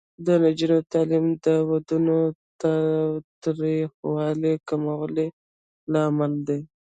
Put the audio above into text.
د نجونو تعلیم د ودونو تاوتریخوالي کمولو لامل دی.